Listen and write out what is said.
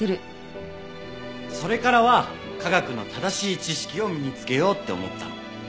それからは科学の正しい知識を身につけようって思ったの。